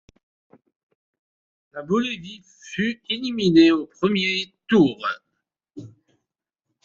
La Bolivie fut éliminée au premier tour.